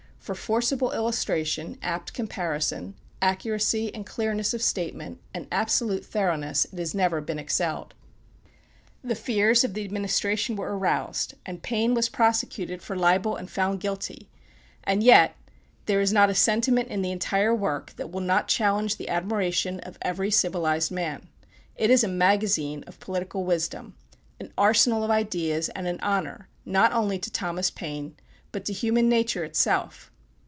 For forcible illustration, apt comparison, accuracy and clearness of statement, and absolute thoroughness, it has never been excelled. The fears of the administration were aroused, and Paine was prosecuted for libel and found guilty; and yet there is not a sentiment in the entire work that will not challenge the admiration of every civilized man. It is a magazine of political wisdom, an arsenal of ideas, and an honor, not only to Thomas Paine, but to human nature itself.